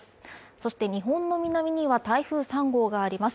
そして日本の南には台風３号があります。